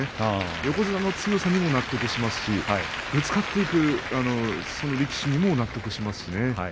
横綱の強さにも納得してますしぶつかっていくその力士にも納得していますからね。